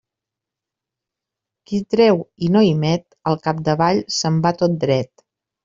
Qui treu i no hi met, al capdavall se'n va tot dret.